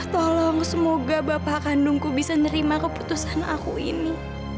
tolong semoga bapak kandungku bisa nerima keputusan aku ini